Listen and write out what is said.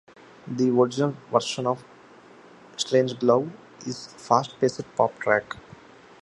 The original version of "Strangelove" is a fast-paced pop track.